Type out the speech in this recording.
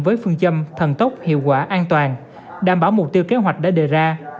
với phương châm thần tốc hiệu quả an toàn đảm bảo mục tiêu kế hoạch đã đề ra